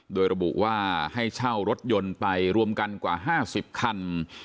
โดยระบุว่าให้เช่ารถยนต์ไปรวมกันกว่า๕๐คัน